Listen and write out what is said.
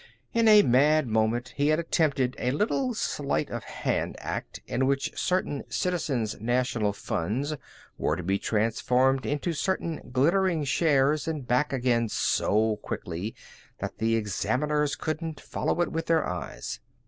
In a mad moment he had attempted a little sleight of hand act in which certain Citizens' National funds were to be transformed into certain glittering shares and back again so quickly that the examiners couldn't follow it with their eyes.